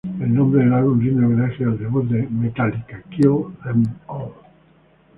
El nombre del álbum rinde homenaje al debut de Metallica, "Kill 'em All".